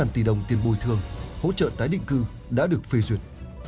tám tỷ đồng tiền bồi thương hỗ trợ tái định cư đã được phê duyệt